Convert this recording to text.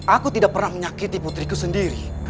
aku tidak pernah menyakiti putriku sendiri